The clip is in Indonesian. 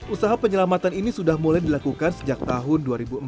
usaha penyelamatan ini sudah mulai dilakukan sejak tahun dua ribu empat